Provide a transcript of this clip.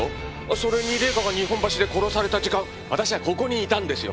それに礼香が日本橋で殺された時間私はここにいたんですよ。